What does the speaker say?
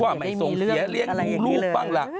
ว่าไม่สงเสียเลี้ยงลูกบ้างล่ะ